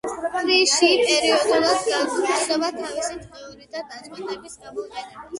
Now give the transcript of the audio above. ფრიში პერიოდულად განაგრძობდა თავისი დღიურიდან ნაწყვეტების გამოქვეყნებას.